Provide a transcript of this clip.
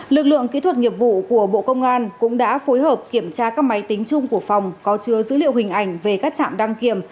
lực lượng kỹ thuật nghiệp vụ của bộ công an cũng đã phối hợp kiểm tra các máy tính chung của phòng có chứa dữ liệu hình ảnh về các trạm đăng kiểm